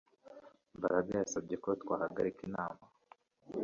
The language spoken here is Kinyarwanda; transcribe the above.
Mbaraga yasabye ko twahagarika inama